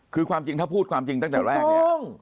คือความจริงถ้าพูดความจริงตั้งแต่แรกเนี่ย